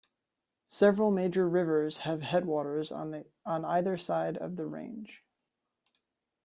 Several major rivers have headwaters on either side of the range.